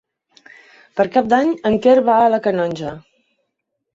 Per Cap d'Any en Quer va a la Canonja.